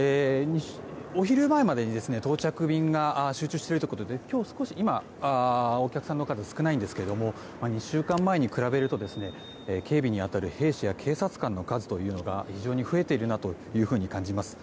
お昼前までに到着便が集中しているということで今日少し今、お客さんの数は少ないんですけども２週間前に比べると警備に当たる兵士や警察官の数が非常に増えているなと感じます。